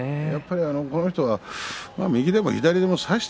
この人は右でも左でも差して